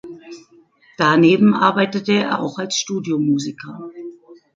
Daneben arbeitet er auch als Studiomusiker.